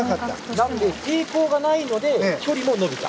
抵抗がないので距離も伸びた。